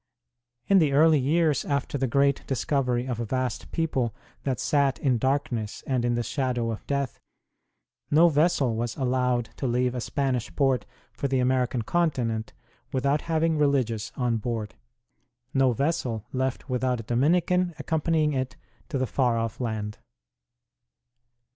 In the early years after the great discovery of a vast people that sat in darkness and in the shadow of death, no vessel was allowed to leave a Spanish port for the American continent without having religious on board ; no vessel left with INTRODUCTION 13 out a Dominican accompanying it to the far off land.